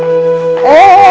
sampai jumpa lagi